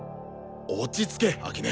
落ち着け秋音。